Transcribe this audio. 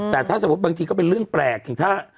แต่ถ้าสมมุติบางทีก็เป็นเรื่องแปลกถึงถ้า